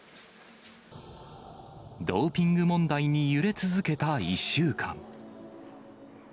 ドーピング問題に揺れ続けた１週間。